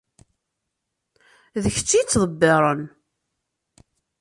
D kečč i yettḍebbiren.